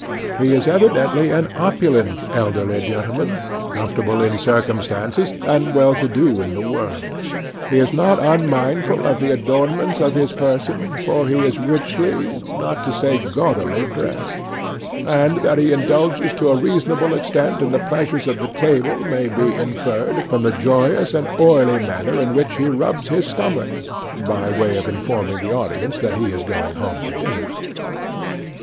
He is evidently an opulent elderly gentleman, comfortable in circumstances, and well to do in the world. He is not unmindful of the adornment of his person, for he is richly, not to say gaudily, dressed; and that he indulges to a reasonable extent in the pleasures of the table may be inferred from the joyous and oily manner in which he rubs his stomach, by way of informing the audience that he is going home to dinner.